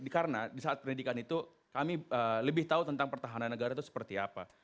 karena di saat pendidikan itu kami lebih tahu tentang pertahanan negara itu seperti apa